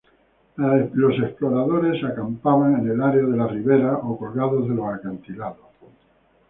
Los exploradores acampaban en la arena de las riberas o colgados de los acantilados.